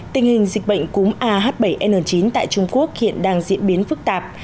tình hình dịch bệnh cúm a h bảy n chín tại trung quốc hiện đang diễn biến phức tạp